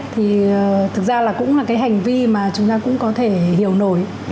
thì thực ra là cũng là cái hành vi mà chúng ta cũng có thể hiểu nổi